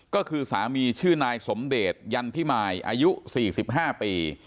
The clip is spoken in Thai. ก็คือสามีชื่อนายสมเดชยันพิมายอายุ๔๕ปี